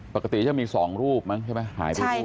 ปกติจะมี๒รูปมั้งใช่ไหมหายไปรูป